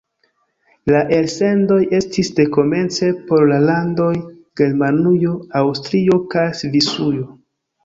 La elsendoj estis dekomence por la landoj Germanujo, Aŭstrio kaj Svisujo.